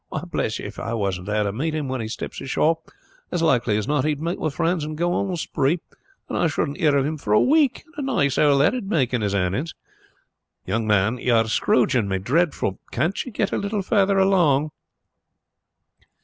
Why, bless you, if I wasn't there to meet him when he steps ashore, as likely as not he would meet with friends and go on the spree, and I shouldn't hear of him for a week; and a nice hole that would make in his earnings. Young man, you are scrouging me dreadful! Can't you get a little further along."